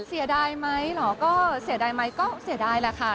เสียดายไหมเหรอก็เสียดายไหมก็เสียดายแหละค่ะ